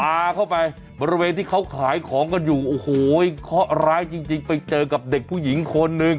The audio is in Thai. พาเข้าไปบริเวณที่เขาขายของกันอยู่โอ้โหเคาะร้ายจริงไปเจอกับเด็กผู้หญิงคนหนึ่ง